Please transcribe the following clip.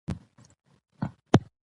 روغتونونه ناروغان مني.